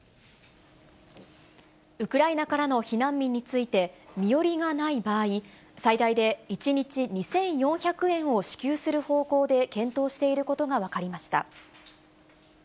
ウクライナからの避難民について、身寄りがない場合、最大で１日２４００円を支給する方向で検討していることが分かりました。